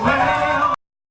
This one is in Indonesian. dengan lebih banyak orang